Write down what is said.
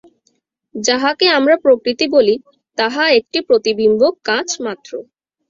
যাহাকে আমরা প্রকৃতি বলি, তাহা একটি প্রতিবিম্বক কাঁচ মাত্র।